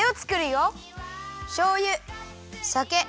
しょうゆさけ。